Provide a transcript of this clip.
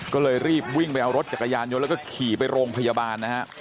ก็เลยรีบวิ่งไปเอารถจักรยานยนต์แล้วก็ขี่ไปโรงพยาบาลนะฮะ